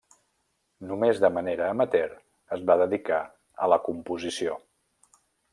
Només de manera amateur es va dedicar a la composició.